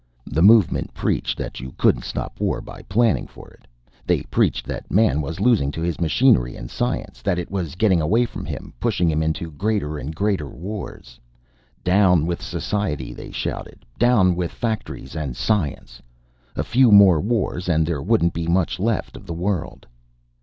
"The Movement preached that you couldn't stop war by planning for it. They preached that man was losing to his machinery and science, that it was getting away from him, pushing him into greater and greater wars. Down with society, they shouted. Down with factories and science! A few more wars and there wouldn't be much left of the world.